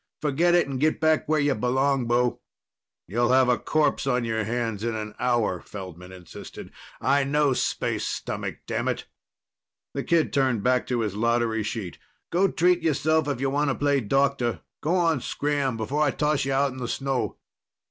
Forget it and get back where you belong, bo." "You'll have a corpse on your hands in an hour," Feldman insisted. "I know space stomach, damn it." The kid turned back to his lottery sheet. "Go treat yourself if you wanta play doctor. Go on, scram before I toss you out in the snow!"